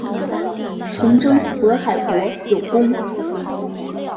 从征渤海国有功。